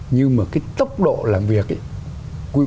nhưng mà cái tốc độ làm việc ấy